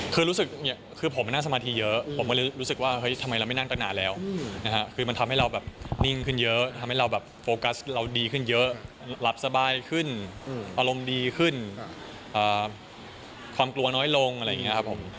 คือรู้สึกคือผมนั่งสมาธิเยอะผมก็เลยรู้สึกว่าเฮ้ยทำไมเราไม่นั่งไปนานแล้วนะฮะคือมันทำให้เราแบบนิ่งขึ้นเยอะทำให้เราแบบโฟกัสเราดีขึ้นเยอะหลับสบายขึ้นอารมณ์ดีขึ้นความกลัวน้อยลงอะไรอย่างนี้ครับผม